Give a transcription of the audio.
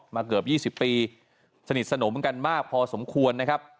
เกือบ๒๐ปีสนิทสนมกันมากพอสมควรนะครับ